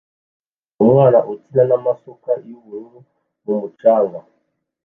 Umwana ukina n'amasuka y'ubururu mu mucanga